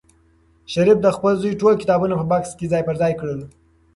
شریف د خپل زوی ټول کتابونه په بکس کې ځای پر ځای کړل.